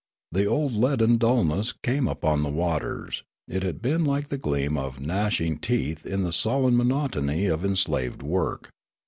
The old leaden dulness came upon the waters ; it had been like the gleam of gnashing teeth in the sullen monotony of enslaved work.